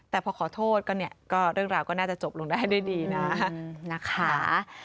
แต่พอขอโทษก็เนี่ยก็เรื่องราวก็น่าจะจบลงได้ด้วยดีนะนะคะ